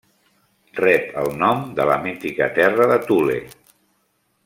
Rep el nom de la mítica terra de Thule.